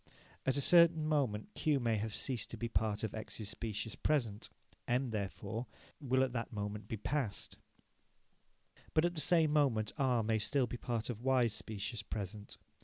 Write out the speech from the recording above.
At a certain moment Q may have ceased to be part of X's specious present. M, therefore, will at that moment be past. But at the same moment R may still be part of Y's specious present.